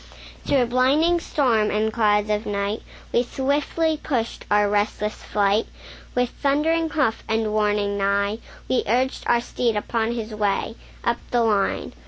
Through blinding storm and clouds of night, We swiftly pushed our restless flight; With thundering hoof and warning neigh, We urged our steed upon his way Up the line.